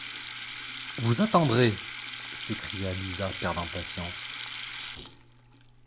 Vous attendrez! s’écria Lisa perdant patience.